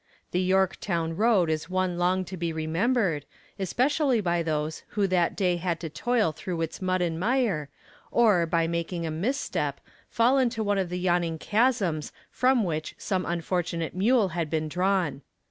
The Yorktown road is one long to be remembered, especially by those who that day had to toil through its mud and mire, or, by making a mis step, fall into one of the yawning chasms from which some unfortunate mule had been drawn.